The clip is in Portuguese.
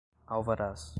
alvarás